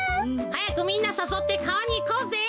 はやくみんなさそってかわにいこうぜ。